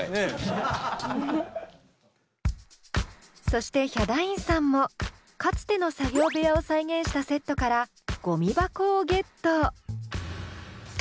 そしてヒャダインさんもかつての作業部屋を再現したセットからゴミ箱をゲット。